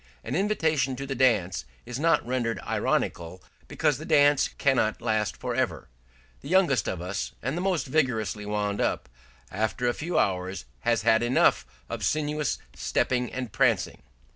An invitation to the dance is not rendered ironical because the dance cannot last for ever; the youngest of us and the most vigorously wound up, after a few hours, has had enough of sinuous stepping and prancing.